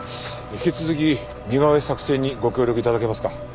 引き続き似顔絵作成にご協力頂けますか？